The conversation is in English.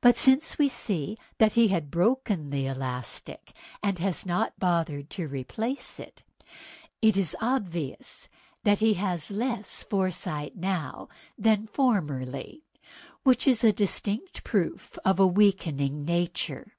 But since we see he had broken the elastic, and has not troubled to replace it, it is obvious that he has less foresight now than formerly, which is a distinct proof of a weakening nature.